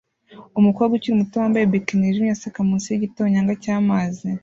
Umukobwa ukiri muto wambaye bikini yijimye aseka munsi yigitonyanga cyamazi